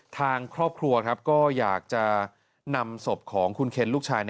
ทางครอบครัวก็อยากจะนำศพของคุณเคนลูกชาย